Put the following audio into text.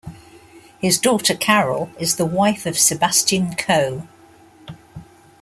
His daughter Carole is the wife of Sebastian Coe.